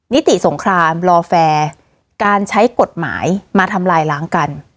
นิติสงครามรอแฟร์การใช้กฎหมายมาทำลายล้างกัน